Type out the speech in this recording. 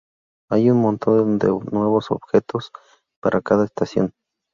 Hay un montón de nuevos objetos para cada estación.